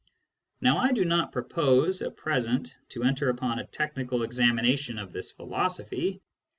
Now 1 do not propose at present to enter upon a technical examination of this philosophy.